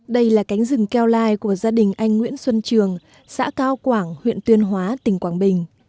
đây là cánh rừng keo lai của gia đình anh nguyễn xuân trường xã cao quảng huyện tuyên hóa tỉnh quảng bình